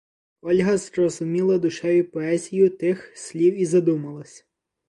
Ольга зрозуміла душею поезію тих слів і задумалась.